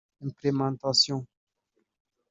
implementation